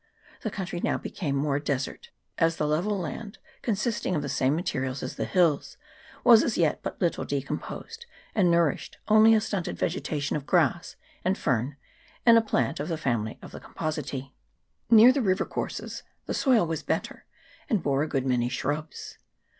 The country now became more desert ; as the level land, consisting of the same materials as the hills, was as yet but little decomposed, and nourished only a stunted vegetation of grass and fern, and a plant of the family of the Composite. Near the river courses the soil was better, and bore a good many shrubs.